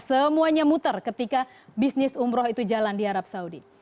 semuanya muter ketika bisnis umroh itu jalan di arab saudi